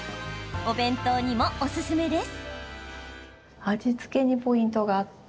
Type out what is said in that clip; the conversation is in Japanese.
お弁当にもおすすめです。